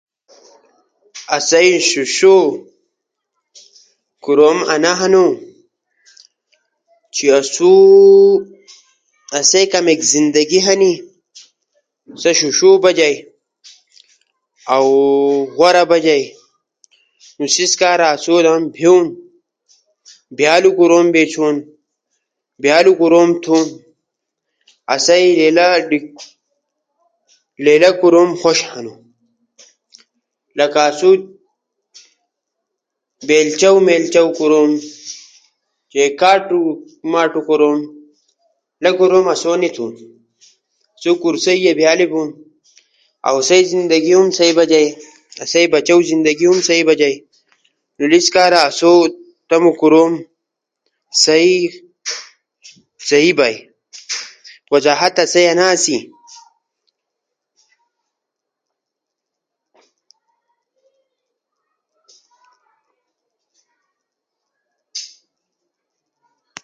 اسئی شیشو کوروم انا خؤش ہنو کے سی اسئی زندگی سا شیشو سپارا بجے۔ اؤ غورا بجے، نو سیس کارا آسو لا ہم دھیون دیالو کوروم بیچونو دھیالو کوروم تھونو، آسئی لیلا کوروم خوش ہنو۔